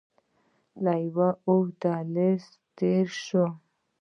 له يوه اوږد دهليزه تېر سو.